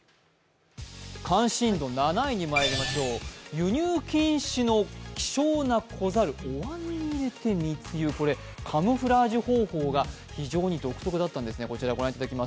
関心度７位にまいりましょう輸入禁止の希少な子猿、おわんに入れて密輸、これカムフラージュ方法が非常に独特だったんですね。